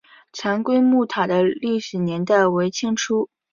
澹归墓塔的历史年代为清初。